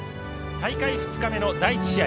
大会２日目の第１試合